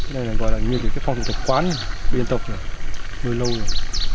cái này gọi là như cái phong thủ tộc quán dân tộc này nuôi lâu rồi